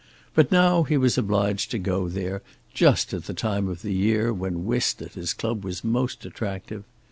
But now he was obliged to go there, just at the time of the year when whist at his club was most attractive.